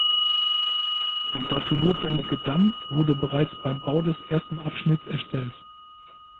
Der dafür notwendige Damm wurde bereits beim Bau des ersten Abschnitts erstellt.